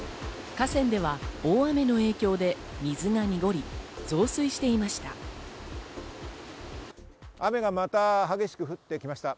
河川では大雨の影響で水が濁り、増水していました。